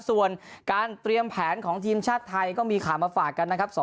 ส่วนการเตรียมแผนของทีมชาติไทยก็มีข่าวมาฝากกันนะครับ